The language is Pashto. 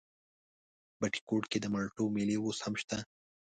بټي کوټ کې د مالټو مېلې اوس هم شته؟